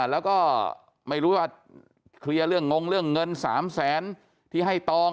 แล้วก็ไม่รู้ว่าเคลียร์เรื่องงงเรื่องเงิน๓แสนที่ให้ตอง